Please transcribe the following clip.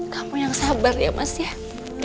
kamu yang sabar ya mas ya